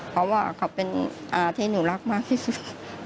เพราะว่าเขาเป็นที่หนูรักมากที่สุด